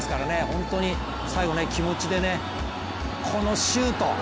本当に最後、気持ちでね、このシュート。